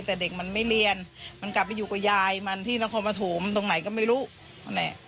แต่เด็กมันไม่เรียนมันกลับไปอยู่กับยายมันที่นครปฐมตรงไหนก็ไม่รู้นั่นแหละ